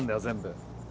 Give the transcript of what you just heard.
全部。